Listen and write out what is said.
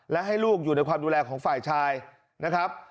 และให้ลูกอยู่ในความดูแลของฝ่ายชายนะครับ